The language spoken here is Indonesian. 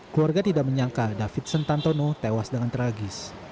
keluarga tidak menyangka david sentantono tewas dengan tragis